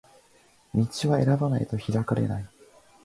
道は選ばないと開かれない